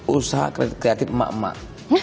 usaha kreatif emak emak